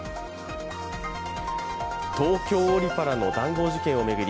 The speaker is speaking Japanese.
東京オリ・パラの談合事件を巡り